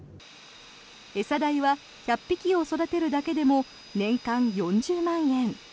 餌代は１００匹を育てるだけでも年間４０万円。